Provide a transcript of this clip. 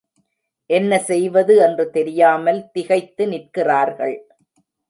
என்ன செய்வது என்று தெரியாமல் திகைத்து நிற்கிறார்கள்.